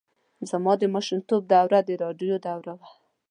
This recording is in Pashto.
زما د ماشومتوب دوره د راډیو دوره وه.